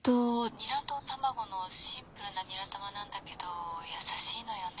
ニラと卵のシンプルなニラ玉なんだけど優しいのよね。